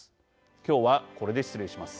今日はこれで失礼します。